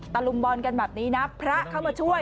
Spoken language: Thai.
ลุมบอลกันแบบนี้นะพระเข้ามาช่วย